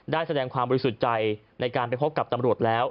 แสดงความบริสุทธิ์ใจในการไปพบกับตำรวจแล้ว